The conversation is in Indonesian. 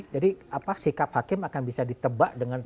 jadi apa sikap hakim akan bisa ditebak dengan